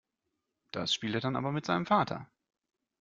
Das spielt er dann aber mit seinem Vater.